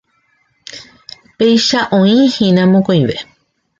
Péicha oĩhína mokõive.